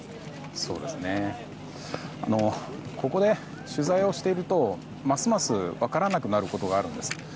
ここで取材をしているとますます分からなくなることがあるんです。